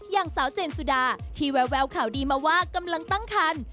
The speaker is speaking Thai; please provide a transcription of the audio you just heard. อย่างสาวเจนสุดาที่แววข่าวดีมาว่ากำลังตั้งคัน